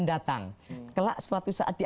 datang kelak suatu saat dia